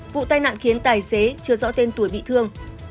vụ tai nạn khiến tài xế chưa rõ tên tuổi bị thương